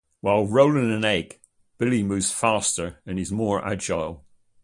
While rolling an egg, Billy moves faster and is more agile.